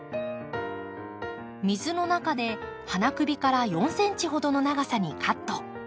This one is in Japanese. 水の中で花首から４ｃｍほどの長さにカット。